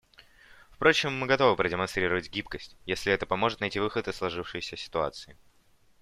Впрочем, мы готовы продемонстрировать гибкость, если это поможет найти выход из сложившейся ситуации.